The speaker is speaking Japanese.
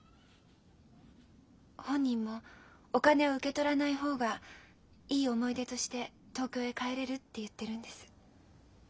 本人もお金を受け取らない方がいい思い出として東京へ帰れるって言ってるんです。